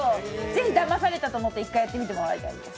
是非、だまされたと思って１回やってみてもらいたいです。